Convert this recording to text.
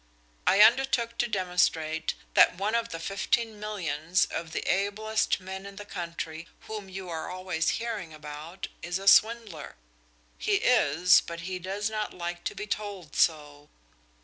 I undertook to demonstrate that one of the fifteen millions of the 'ablest men in the country,' whom you are always hearing about, is a swindler. He is, but he does not like to be told so."